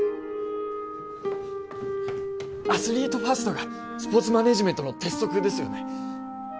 アスリートファーストがスポーツマネージメントの鉄則ですよね？